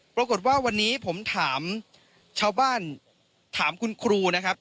ปรากฏว่าวันนี้ผมถามชาวบ้านถามคุณครูนะครับ